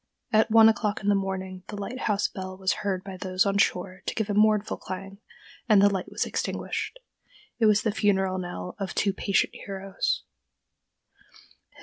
At one o'clock in the morning the lighthouse bell was heard by those on shore to give a mournful clang, and the light was extinguished. It was the funeral knell of two patient heroes.